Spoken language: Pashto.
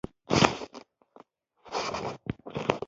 زرغون خان د وطن پالني او آزادۍ د فکر سر لاری وو.